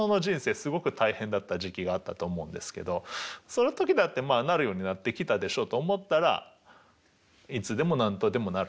すごく大変だった時期があったと思うんですけどその時だってなるようになってきたでしょと思ったらいつでも何とでもなるんです。